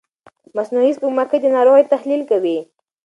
مصنوعي سپوږمکۍ د ناروغۍ تحلیل کوي.